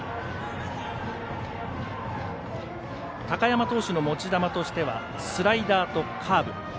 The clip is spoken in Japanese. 高山投手の持ち味としてはスライダーとカーブ